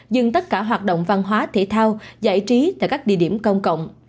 dừng tất cả hoạt động văn hóa thể thao giải trí tại các địa điểm công cộng